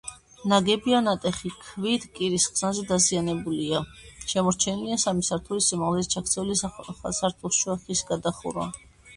ნაგებია ნატეხი ქვით კირის ხსნარზე დაზიანებულია: შემორჩენილია სამი სართულის სიმაღლეზე ჩაქცეულია სართულშუა ხის გადახურვა.